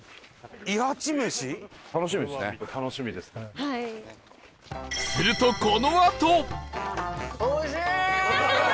するとこのあと